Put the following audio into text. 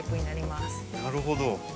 なるほど。